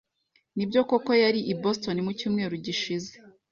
Nibyo koko yari i Boston mucyumweru gishize?